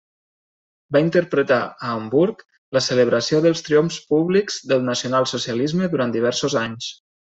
Va interpretar a Hamburg la celebració dels triomfs públics del Nacional Socialisme durant diversos anys.